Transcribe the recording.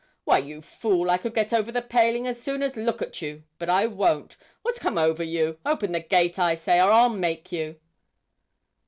'Why, you fool, I could get over the paling as soon as look at you, but I won't. What's come over you? Open the gate, I say, or I'll make you.'